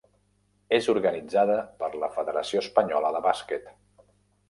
És organitzada per la Federació Espanyola de Bàsquet.